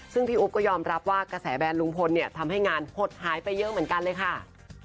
ซึ่งพี่อุ๊บก็ยอมรับว่ากระแสแบนลุงพลเนี่ยทำให้งานหดหายไปเยอะเหมือนกันเลยค่ะ